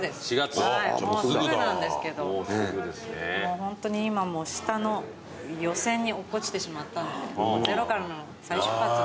ホントに今もう下の予選に落っこちてしまったのでゼロからの再出発で。